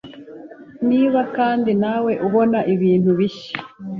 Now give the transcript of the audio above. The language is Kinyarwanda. Niba kandi nawe ubona ibintu bishya